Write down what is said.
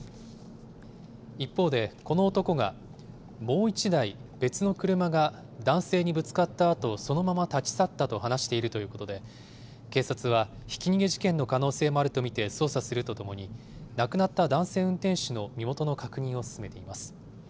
一方で、この男がもう１台、別の車が男性にぶつかったあと、そのまま立ち去ったと話しているということで、警察はひき逃げ事件の可能性もあると見て捜査するとともに、亡くなった男性運転手の身元の確認を進めています。